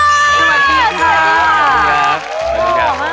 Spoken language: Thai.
สวัสดีค่ะ